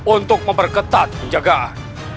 untuk memperketat penjagaan